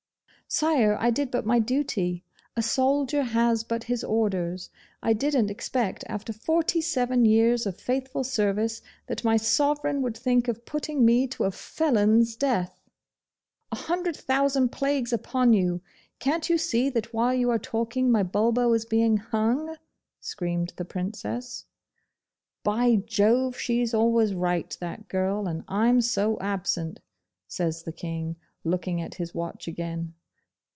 'Sire, I did but my duty; a soldier has but his orders. I didn't expect after forty seven years of faithful service that my sovereign would think of putting me to a felon's death!' 'A hundred thousand plagues upon you! Can't you see that while you are talking my Bulbo is being hung?' screamed the Princess. 'By Jove! she's always right, that girl, and I'm so absent,' says the King, looking at his watch again.